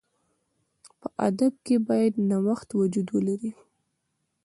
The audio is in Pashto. په ادب کښي باید نوښت وجود ولري.